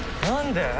何で？